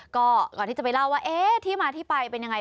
ก็ก่อนที่จะไปเล่าว่าที่มาที่ไปเป็นยังไง